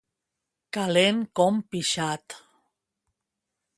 Calent com pixat.